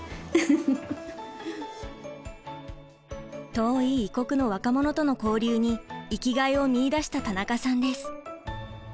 遠い異国の若者との交流に生きがいを見いだした田中さんです。